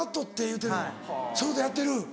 そういうことやってる？